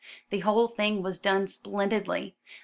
The whole thing was done splendidly.